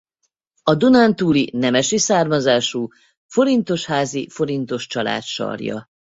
A dunántúli nemesi származású forintosházi Forintos család sarja.